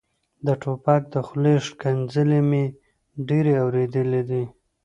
د ټوپک د خولې ښکنځلې مې ډېرې اورېدلې دي.